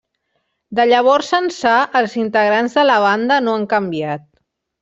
De llavors ençà els integrants de la banda no han canviat.